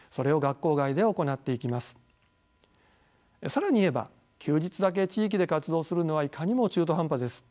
更に言えば休日だけ地域で活動するのはいかにも中途半端です。